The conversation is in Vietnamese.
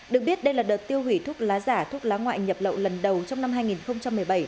được biết đây là đợt tiêu hủy thuốc lá giả thuốc lá ngoại nhập lậu lần đầu trong năm hai nghìn một mươi bảy